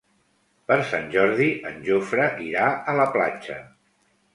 Per Sant Jordi en Jofre irà a la platja.